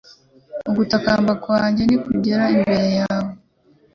Ugutakamba kwanjye nikugere imbere yawe